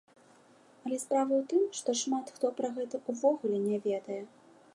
Але справа ў тым, што шмат хто пра гэта ўвогуле не ведае.